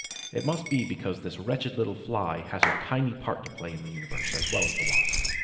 It must be because this wretched little Fly has her tiny part to play in the universe, as well as the Wasp.